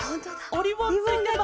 おリボンついてます。